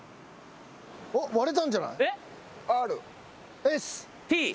割れたんじゃない？